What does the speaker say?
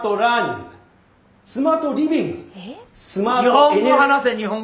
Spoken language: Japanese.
日本語話せ日本語！